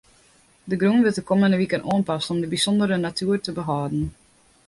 De grûn wurdt de kommende wiken oanpast om de bysûndere natuer te behâlden.